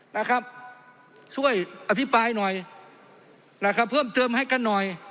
นะครับช่วยอภิปรายหน่อยนะครับเพิ่มเติมให้กันหน่อย